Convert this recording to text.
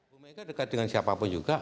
bumega dekat dengan siapapun juga